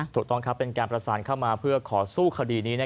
ถูกต้องครับเป็นการประสานเข้ามาเพื่อขอสู้คดีนี้